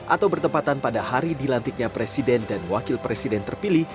atau bertempatan pada hari dilantiknya presiden dan wakil presiden terpilih